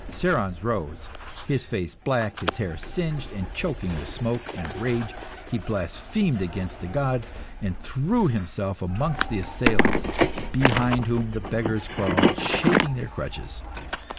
Cerons rose, his face black, his hair singed, and choking with smoke and rage. He blasphemed against the gods, and threw himself amongst the assailants, behind whom the beggars crawled, shaking their crutches.